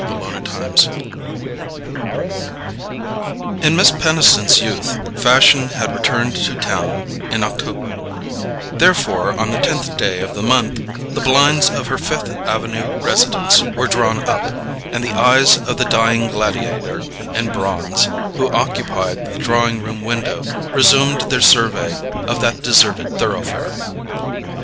Chapter 9 In Mrs. Peniston's youth, fashion had returned to town in October; therefore on the tenth day of the month the blinds of her Fifth Avenue residence were drawn up, and the eyes of the Dying Gladiator in bronze who occupied the drawing room window resumed their survey of that deserted thoroughfare.